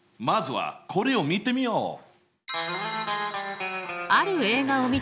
まずはこれを見てみよう！